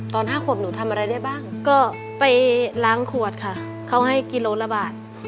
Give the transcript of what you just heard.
๕ขวบหนูทำอะไรได้บ้างก็ไปล้างขวดค่ะเขาให้กิโลละบาท